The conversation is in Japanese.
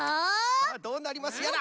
さあどうなりますやら。